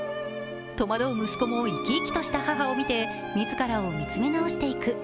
戸惑う息子も生き生きとした母を見て自らを見つめ直していく。